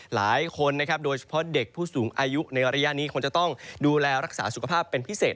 หลายคนนะครับโดยเฉพาะเด็กผู้สูงอายุในระยะนี้คงจะต้องดูแลรักษาสุขภาพเป็นพิเศษ